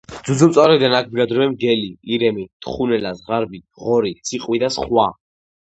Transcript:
ძუძუმწოვრებიდან აქ ბინადრობენ დათვი, მგელი, ირემი, თხუნელა, ზღარბი, გარეული ღორი, ციყვი და სხვა